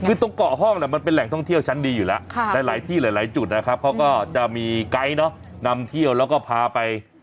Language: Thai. คือตรงเกาะห้องมันเป็นแหล่งท่องเที่ยวชั้นดีอยู่แล้วหลายที่หลายจุดนะครับเขาก็จะมีไกด์เนาะนำเที่ยวแล้วก็พาไป